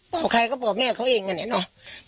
บอกใครก็บอกแม่เขาเองกันเนี่ยเนาะ